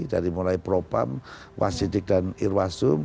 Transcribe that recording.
dari mulai propam wasidik dan irwasum